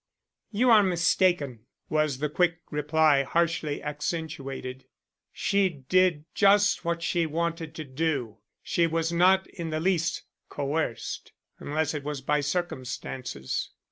"You are mistaken," was the quick reply, harshly accentuated. "She did just what she wanted to do. She was not in the least coerced, unless it was by circumstances."